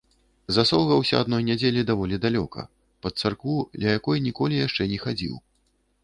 Засоўгаўся адной нядзелі даволі далёка, пад царкву, ля якой ніколі яшчэ не хадзіў.